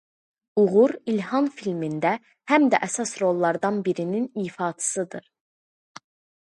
Uğur İlhan filmdə həm də əsas rollardan birinin ifaçısıdır.